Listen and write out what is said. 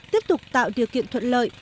tiếp tục tạo điều kiện thuận lợi